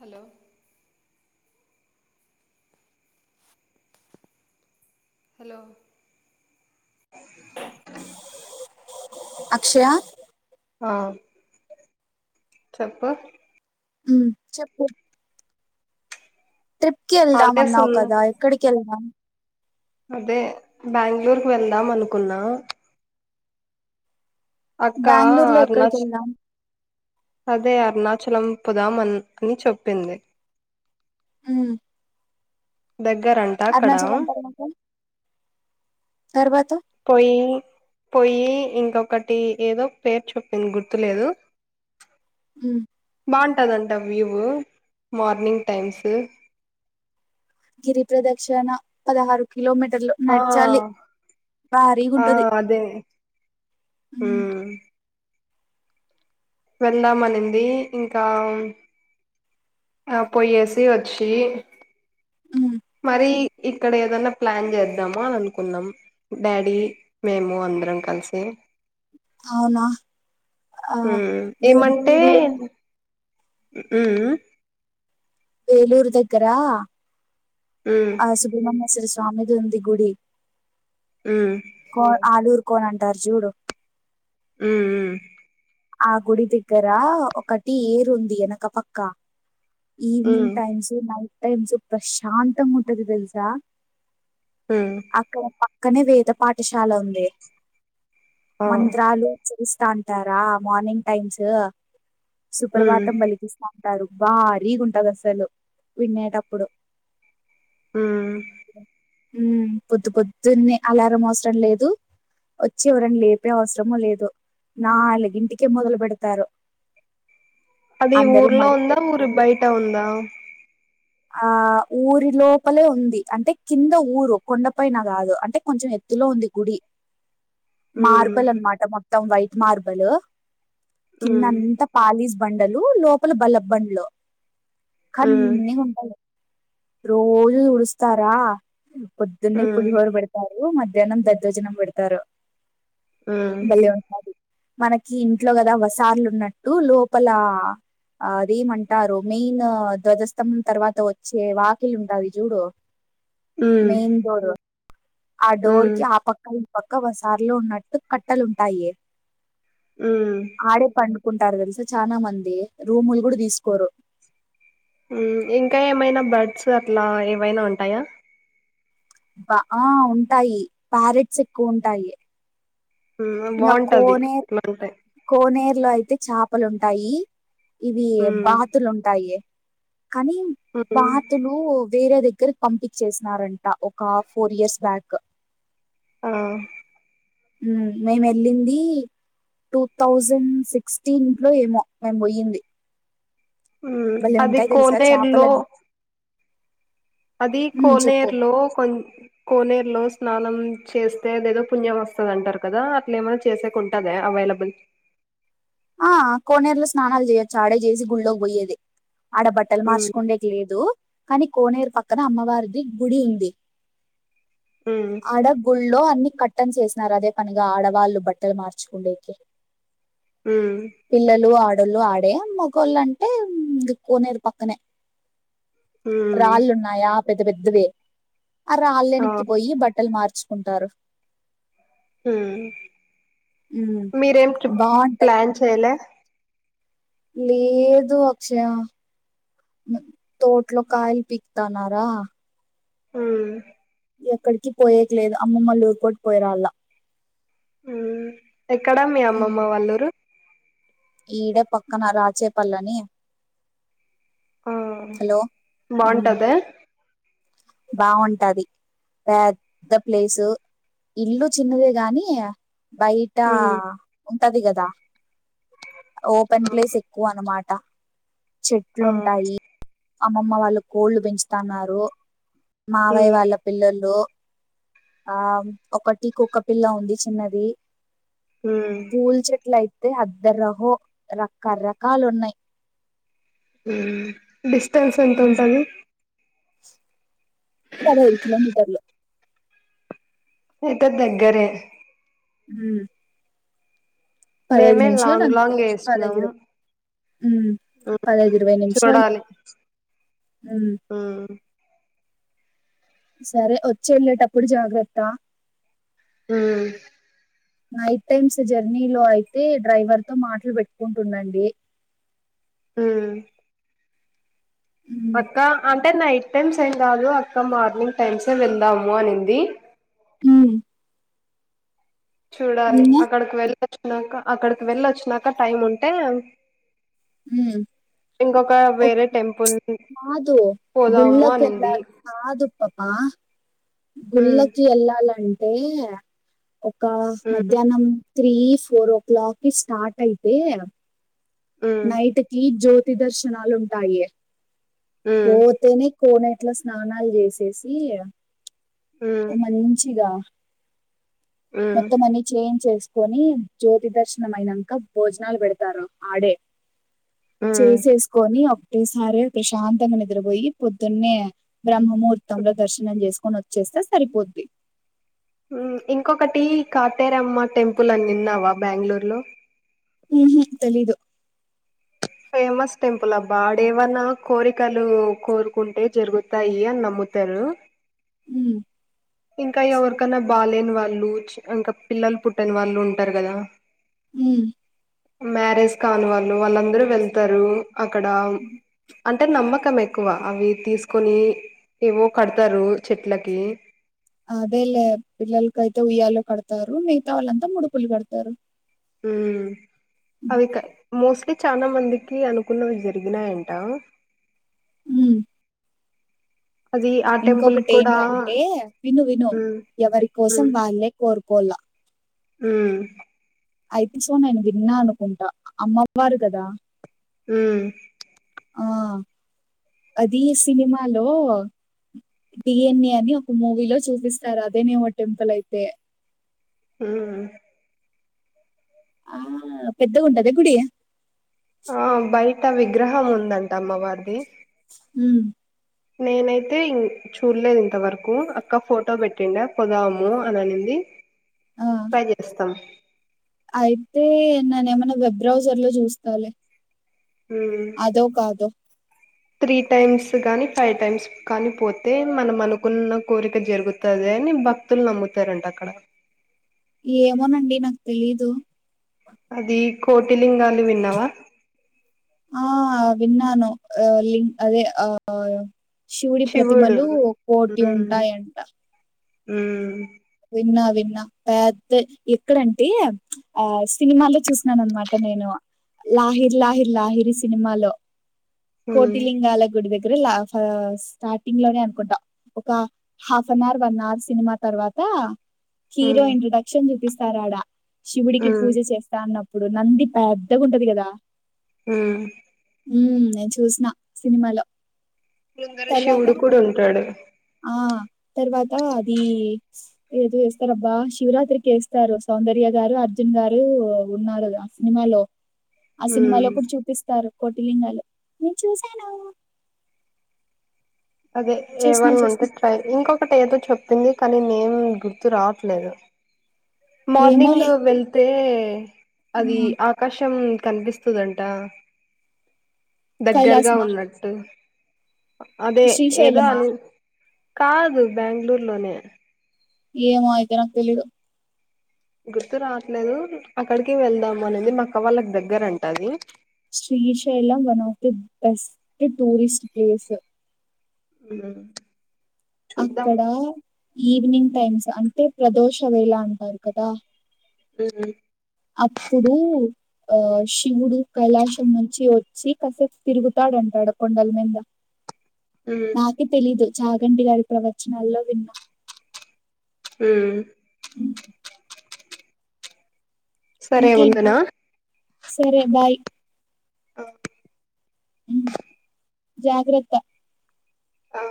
Hello hello Akshaya ఆ చెప్పు హ్మ్ చెప్పు ట్రిప్ కి వెళ్దాం హాలిడేస్ ఉ అన్నావు కదా ఎక్కడికి యెళ్దాం అదే బ్యాంగుళూరుకి వెళ్దాం అనుకున్నా అక్క బ్యాంగుళూరులో ఎక్కడికి అరుణాచ యెళ్దాం అదే అరుణాచలం పొదం అని చెప్పింది హ్మ్ దగ్గరంట అక్కడ తర్వాత తర్వాత పొయ్యి పొయ్యి ఇంకొకటి ఏదో పేరు చొప్పింది గుర్తులేదు హ్మ్ బాంటదంట వ్యూవు మార్నింగ్ టైమ్స్ గిరి ప్రదక్షిణ పదహారు కిలోమీటర్లు ఆ నడచాలి ఆ బారీగుంటది అదే ఉమ్ వెళ్దామనింది ఇంకా ఆ పొయ్యేసి వచ్చి ఉమ్, మరి ఇక్కడ ఏదన్నా ప్లాన్ చేద్దాము అని అనుకుందాం డాడీ మేము అందరం కలిసి అవునా ఆ ఉమ్ వేద అ వలూరు దగ్గరా ఉమ్ ఆ సుభ్రమమ్మ స స్వామిదంది గుడి ఉమ్ కో ఆలూరు కోన అంటారు జూడు ఆ ఆ గుడి దగ్గర ఒకటి ఏరు ఉంది వెనక పక్క ఈవినింగ్ ఉమ్ టైమ్స్ నైట్ టైమ్ సొప శాంత అంగా ముంటదిద తెల్సా ఉమ్ అక్కడ కనే వేద పాఠ పాఠశాల ఉంది ఆ మంత్రాలు త అంటారా మార్నింగ్ టైమ్స్ ఉమ్ సుప్రభాతం బలికిస్తా ఉంటారు బా రీగుంటది అసలు వినేటప్పుడు ఆ ఉ పొద్దు పొద్దున్నే అలారం అవసరం లేదు వచ్చి ఎవరని లేపే అవసరమ లేదు నా అలాగింటి క మొదలు పెడతారు అది అందరూ ఊర్లో మడి ఉందా కట్టి ఊరి బయట ఉందా ఆ ఊరి లోపలే ఉంది అంటే కింద ఊరు కొండపైన కాదు అంటే కొంచెం ఎత్తులో ఉంది గుడి ఉమ్ మార్బల్ అన్నమాట మా మొత్తం వైట్ మార్బల్ కిన్న ఉమ్ అంత పాలీస్ బండలు లోపల బల్లబ్ బంలు ఉమ్ కన్నే రోజు తుడుస్తారా ఉమ్ పొద్దున్నే ఉమ్ పులిహోర పెడతారు మ్య జనం దద్దోజనం పెడతారు ఉమ్ బళ్ళ ఒసారి మనకి ఇంట్లో కదా వసార్లు ఉన్నట్టు లోపల అదేమంటారు మెయిన్ ధ్వజస్తంం తర్వాత అ వచ్చే వాకిల్ ఉంటాది చూడు ఉమ్ మెయిన్ బోరు ఆ డోర్ ఉమ్ కి ఆ పక్క పక్క వసార్లో ఉన్నట్టు కట్టలుంటాయి మ్ కుంటారు తెలుసా చనా మంది రూములు కూడా తీసుకోరు మ్ ఇంకా ఏమైనా బర్డ్స్ అట్లా ఏవైనా ఉంటాయా బా ఆ ఉంటాయి ప్యారెట్స్ ఎక్కువ ఉంటాయి మ్ ఇంకా బాగుంటది మంటే లో అయితే చేపలు ఉంటాయి ఇవి ఉమ్ బాతులు ఉంటాయి కానీ ఉమ్ వాతులు వేరే దగ్ ద్గరి పంపించేసినారంట ఒక ఫోర్ ఇయర్స్ బ్యాక్ ఆ మ్ మేము వెళ్ళింది, టూ థౌజండ్ సిక్స్టీన్ లో ఏమో మేము పోయింది మ్ భలే అది ఉంటాయి తెలుసా కోనేరులో చేపలన్నీ అది ఉమ్, చెప్పు కోనేరులో కొంచ కోనేరులో స్నానం చేస్తే అదేదో పుణ్యం వస్తుంది అంటారు కదా, అట్లా ఏమైన్నా చేసేకు ఉంటుందా అవైలబుల్ ఆ కోనేరులో స్నానాలు చేయొచ్చు ఆడే చేసి గుళ్ళకి పోయేది ఆడ బట్టలు మ్మ్ మార్చుకుండేకి లేదు కానీ కోనేరు పక్కన అమ్మవారిది గుడి ఉంది మ్మ్ అడా గు లో అన్ని కట్టని చేసినారు అదే పనిగా ఆడవాళ్ళు బట్టలు మార్చుకుండేకి మ్మ్ పిల్లలు ఆ ఆడోళ్ళు ఆడే మగళ్ళు అంటే ఇ కోనేరు పక్కనే మ్మ్ రాళ్ళు ఉన్నాయా పెద్ద పెద్దవే అ ఆ రాళ్నక్కి పోయి బట్టలు మార్చు ఉంటారు మ్ ఉమ్ మీర్ ట్రిప్ బాగుంటది ప్లాన్ చేలే లేదు అక్షయ తోట్లో కాయలు పీకుతన్నారా మ్ ఎక్కడికి పోయకలేదు అమ్మమ్మలు ఊరుకోటి పోయరాళ్ళ హ్మ్ ఎక్కడ మీ ఉమ్ అమ్మమ్మ వాళ్ళ ఊరు ఈడే పక్కన రాచేపల్లి అని ఆహా బాగుంటదా బావుటాది పెద్ద ప్లేసు ఇల్లు చిన్నదే గానీ బైట మ్మ్ టది గదా ఓపెన్ ప్లేస్ ఎక్కువ అనమా ట ఆ చెట్లుంటాయి అమ్మమ్మ వాళ్ళు కోళ్ళు పెంచుతాన్నారు మావయ్య మ్మ్ వాళ్ళ పిల్లోల్లు ఆం ఒకటి కుక్కపిల్ల ఉంది చిన్నది ఊ ట్లైతే అదరహో రకరకాలు ఉన్నాయి ఊ డిస్టెన్స్ ఎంతుంటది పదిహేను కిలోమీటర్లే అయితే దగ్గరే ఊ పదిహైదు మేమే నిమిషాలు లాంగ్ అంతే లాంగ్ వేసినాం పదిహైదు హ్మ్ పదిహైదు ఇరవై నిమిషాలు చూడాలి హ్మ్ ఉమ్ సరే వచ్చి వెళ్ళేటప్పుడు జాగ్రత్త హ్మ్ నైట్ టైమ్స్ జర్నీ లో అయితే డ్రైవర్ తో మాటలు పెట్టుకుంటుండండి హ్మ్ అక్కా అం టే నైట్ టైమ్స్ ఏం కాదు అక్క మార్నింగ్ టైమ్సే వెళ్ళాము అనింది ఉమ్ చూడాలి అక్కడికి వెళ్ వచ్చినాంక అక్కడికి వెళ్ళి వచ్చినాక టైమ్ ఉంటే మ్మ్ ఇంకొక ఒక్ వేరే ప్చ్ టెంపుల్ కాదు పోదాము గుళ్ళకెల్ళా అనింది కాదు పపా. ఉమ్ గుళ్ళకి ఎళ్ళాల అం టే ఒక ఉమ్ మధ్యానం త్రీ ఫోర్ ఓ క్లాక్కిి స్టార్ట్ అయితే ఉమ్ నైట్ కి జో తి దర్శనాలు ఉంటాయి. ఉమ్ పో తేనే కోనేట్లో స్నానాలు చేసేసి. ఉమ్ మంచిగా ఉమ్ మొత్తం అన్ని చేయించేస్ కొని జ్యోతి దర్శనం అయినంక భోజనాలు పెడతారు ఆడే. చేసేసుకొని అప్ [unintelligible] ప్రశాంతంగా నిద్రపోయి పొద్దున్నే బ్రహ్మ ముహూర్తంలో దర్శనం చేసుకొని వచ్చేస్తే సరిపోద్ది. ఇంకొకటి కాటేరమ్మ టెంపుల్ అన్ని విన్నావా బెంగళూరులో. హు హు తెలీదు ఫేమస్ టెంపుల్ అబ్బా ఆడేవన్నా కోరికలు కోరుకుంటే జరుగుతాయి అని నమ్ముతరు. హ్మ్ ఇంకా ఎవరు కన్నా బాలేని వాళ్ళు ఇంకా పిల్లలు పుట్టనీ వాళ్ళు ఉంటారు కదా. హ్మ్ మ్యారేజ్ కాని వాళ్ళు వాళ్ళందరూ వెళ్తారు. అక్కడ అంటే నమ్మకం ఎక్కువ అవి తీసుకొని. ఏవో కడతారు చెట్లకి. అదేలే పిల్లలకైతే ఉయ్యాలో కడతారు. మిగతా వాళ్ళంతా ముడుపూలు కడతారు. హ్మ్ అవిక మోస్ట్లీ చాలా మందికి అనుకున్నవి జరిగినాయంట. హ్మ్ అది ఆ టెంపుల్ ఇంకొకటి కూడా ఏంటంటే విను విను ఉమ్ ఎవరి కోసం వాళ్ళే కోరుకొల్ల హ్మ్ అయితే సో నేను విన్నా అనుకుంటా. అమ్మవారు కదా. హ్మ్ ఆ అది సినిమాలో డిఎన్ఏ అని ఒక మూవీలో చూపిస్తారు. అదేనేమో టెంపుల్ అయితే. హ్మ్ ఆ పెద్ద ఉంటద గుడి. ఆ [unintelligible] విగ్రహం ఉందంట అమ్మ వారిది. హ్మ్ నేనైతే చూడలేదు ఇంతవరకు. అక్క ఫోటో పెట్టిండ పోదాము అని అనింది. ఆ ట్రై చేస్తాం అయితే నేను ఏమన్నా వెబ్ బ్రౌజర్ లో చూస్తాలే ఉమ్ అదో కాదొ త్రీ టైమ్స్ కానీ ఫైవ్ టైమ్స్ కానీ పోతే. మనం అనుకున్న కోరిక జరుగుతది. అని భక్తులు నమ్ముతారంట అక్కడ. ఏమోనండి [unintelligible] అది కోటి లింగాలు విన్నావా ఆ విన్నాను [unintelligible] అదే ఆ శివుడి శివుడు ప్రతిమలు కోటి ఉంటాయంటా మ్మ్ విన్నా విన్నా పెద్ద ఎక్కడంటే, ఆ సినిమాల్లో చూసినను అనమాట నేను, లాహిర్ లాహిర్ లాహిర్ సినిమాలో ఉమ్ కోటిిలింగాల గుడిద దగ్గర లా స్టార్టింగ్ లోనే అనుకుంటా, ఒక half an hour one hour cinema తర్వాత హీరో ఉమ్ ఇంట్రొడక్షన్ చూపిస్ కరోడ శివుడికి ఉమ్ పూజ చేస్తా అన్నప్ ఇప్పుడు నంది పెద్దగా ఉంటది కదా మ్ ఉ చూసిన సినిమాలో బృందర తర్వాత శివుడు కూడా ఉంటాడు ఆ తర్వాత, అది ఏదో చేస్తార అబ్బా శివరాత్రికి వేస్తారు సౌందర్య గారు అర్జున్ గారు ఉన్నారు ఆ సినిమాలో ఆ సినిమాలో ఉమ్ కూడా చూపిస్తారు కోటిలింగాలు నేను చూసాను అదే చూసిన ఏమని ఉంటే చూసిన ట్రై ఇంకొకటి ఏదో చెప్పింది కానీ నేం గుర్తు రావట్లేదు మార్నింగ్ ఏమోలే వెళ్తే ఆ అది ఆకాశం కనిపిస్తుందంట దగ్గరగా కైలాసమా ఉన్నట్టు అదే ఏదో శ్రీశైలమా అని కాదు బెంగళూరు లోనే ఏంయితే నాకు తెలిదు గుర్తు రావట్లేదు అక్కడికి వెళ్దాము అనేది మా అక్క వాళ్ళకి దగ్గర అంటది Srisailam one of the best tourist place మ్ అక్కడ ఈవినింగ్ టైమ్స్ అంటే ప్రదోషవేలా అంటారు కదా మ్ అప్పుడు ఆ శివుడు కైలాశం నుంచి వచ్చి కసేపు తిరుగుతాడంటాడు కొండల మింద ఉమ్ నాకే తెలీదు జాగంటి గారి ప్రవచనాల్లో విన్నా మ్ హ్మ్. సరే ఇంకేంటి ఉందునా సరే బాయ్ అ మ్ జాగ్రత్త అ